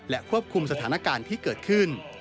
ควบคุมสถานการณ์ที่เกิดขึ้น